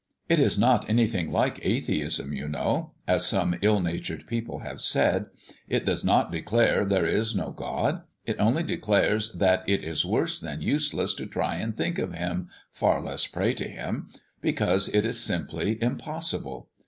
It is not anything like atheism, you know, as some ill natured people have said; it does not declare there is no God; it only declares that it is worse than useless to try and think of Him, far less pray to Him because it is simply impossible.